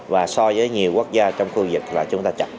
và so với nhiều quốc gia trong khu vực là chúng ta chậm